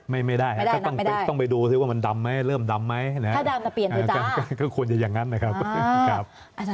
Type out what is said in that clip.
มันนับจำนวนครั้งว่าแบบ